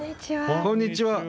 こんにちは。